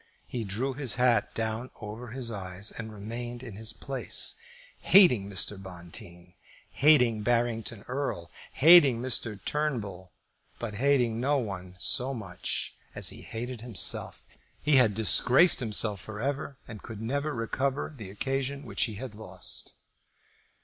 He drew his hat down over his eyes, and remained in his place, hating Mr. Bonteen, hating Barrington Erle, hating Mr. Turnbull, but hating no one so much as he hated himself. He had disgraced himself for ever and could never recover the occasion which he had lost.